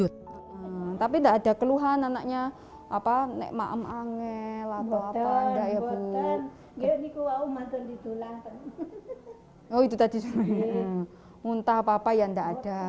senang oh ya